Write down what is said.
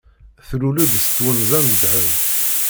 Tlul-d s twenza n ddheb.